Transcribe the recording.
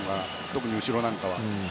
特に後ろなんかは。